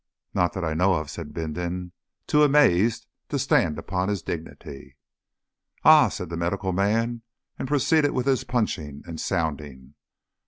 "Not that I know of," said Bindon, too amazed to stand upon his dignity. "Ah!" said the medical man, and proceeded with his punching and sounding.